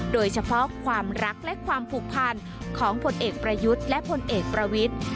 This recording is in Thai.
โดยเฉพาะความรักและความผูกพันของผลเอกประยุทธ์และผลเอกประวิทธิ์